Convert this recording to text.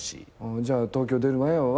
じゃあ東京出る前は八尾？